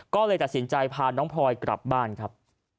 ก็เลยตัดสินใจพาน้องพลอยกลับบ้านครับ